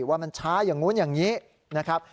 ว่ามันช้ายอย่างนู้นอย่างนี้